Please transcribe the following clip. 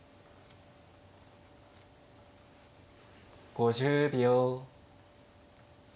５０秒。